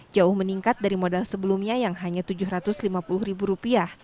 jauh meningkat dari modal sebelumnya yang hanya rp tujuh ratus lima puluh